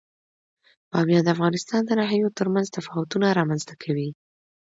بامیان د افغانستان د ناحیو ترمنځ تفاوتونه رامنځ ته کوي.